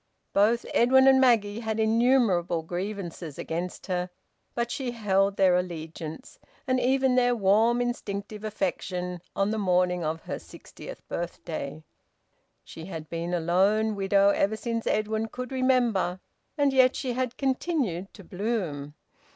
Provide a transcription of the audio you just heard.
Both Edwin and Maggie had innumerable grievances against her, but she held their allegiance, and even their warm instinctive affection, on the morning of her sixtieth birthday. She had been a lone widow ever since Edwin could remember, and yet she had continued to bloom.